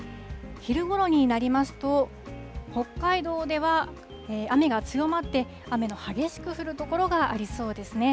昼ごろになりますと、北海道では雨が強まって、雨の激しく降る所がありそうですね。